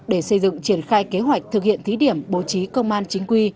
để xây dựng triển khai kế hoạch thực hiện thí điểm bố trí công an chính quy